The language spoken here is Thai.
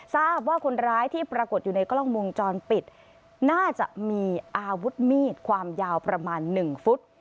ทราบว่าคนร้ายที่ปรากฏอยู่ในกล้องวงจรปิดน่าจะมีอาวุธมีดความยาวประมาณ๑ฟุต